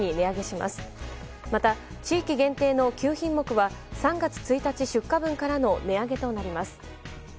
また、地域限定の９品目は３月１日出荷分からの値上げとなります。